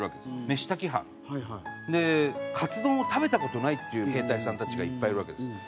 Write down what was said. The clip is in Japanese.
飯炊き班。でカツ丼を食べた事ないっていう兵隊さんたちがいっぱいいるわけですよ。